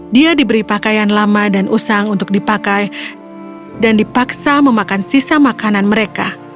dia diberi pakaian lama dan usang untuk dipakai dan dipaksa memakan sisa makanan mereka